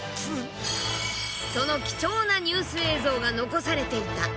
その貴重なニュース映像が残されていた。